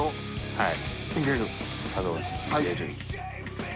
はい。